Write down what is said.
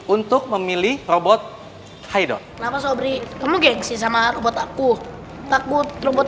untuk memilih robot hai dot sobri kamu gengsi sama robot aku takut robot